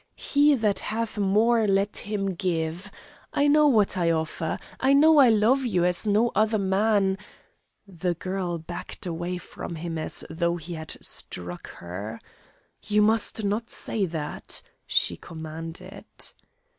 He that hath more let him give. I know what I offer. I know I love you as no other man " The girl backed away from him as though he had struck her. "You must not say that," she commanded.